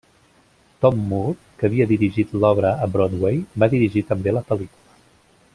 Tom Moore, que havia dirigit l'obra a Broadway, va dirigir també la pel·lícula.